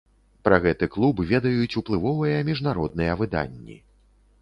Пра гэты клуб ведаюць уплывовыя міжнародныя выданні.